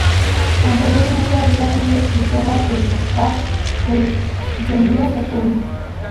Anteriormente, había sido escritora del staff de "The New Republic".